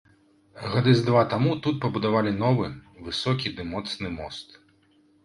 Гады з два таму тут пабудавалі новы, высокі ды моцны мост.